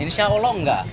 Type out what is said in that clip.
insya allah enggak